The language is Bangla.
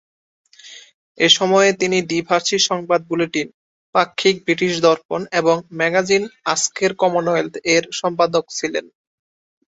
এই সময়ে তিনি দ্বিভাষী সংবাদ বুলেটিন "পাক্ষিক ব্রিটিশ দর্পণ" এবং ম্যাগাজিন "আজকের কমনওয়েলথ" এর সম্পাদক ছিলেন।